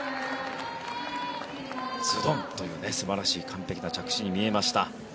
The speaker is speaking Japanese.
ズドンという素晴らしい完璧な着地に見えました。